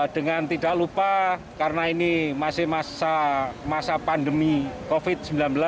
dengan tidak lupa karena ini masih masa pandemi covid sembilan belas